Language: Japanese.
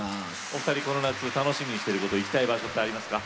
お二人この夏楽しみにしてること行きたい場所ってありますか？